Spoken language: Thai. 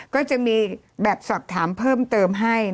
ก็จะมีแบบสอบถามเพิ่มเติมให้